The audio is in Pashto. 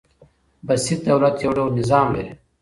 بسیط دولت يو ډول نظام لري.